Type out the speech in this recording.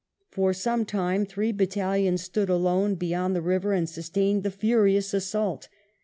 For some time three battalions stood alone beyond the river and sustained the furious assault.